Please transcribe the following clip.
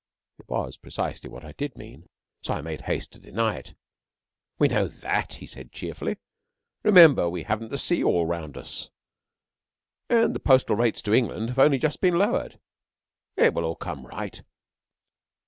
It was precisely what I did mean, so I made haste to deny it. 'We know that,' he said cheerfully. 'Remember we haven't the sea all round us and the postal rates to England have only just been lowered. It will all come right.'